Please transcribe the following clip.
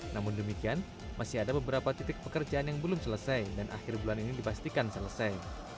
namun demikian masih ada beberapa titik pekerjaan yang belum selesai dan akhir bulan ini dipastikan selesai